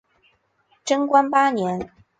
贞观八年。